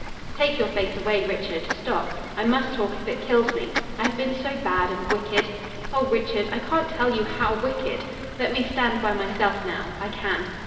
"Take your face away, Richard; stop. I must talk if it kills me. I have been so bad and wicked. Oh, Richard, I can't tell you how wicked. Let me stand by myself now. I can."